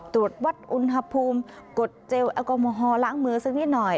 ตรวจวัดอุณหภูมิกดเจลแอลกอฮอลล้างมือสักนิดหน่อย